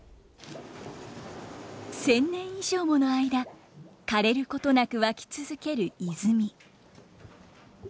１，０００年以上もの間かれることなく湧き続ける泉。